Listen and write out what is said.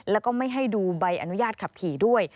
แล้วก็ไม่ให้ดูใบอนุญาตขับขี่ด้วย